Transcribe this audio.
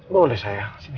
boleh sayang sini